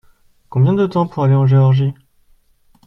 Combien de temps pour aller en Géorgie ?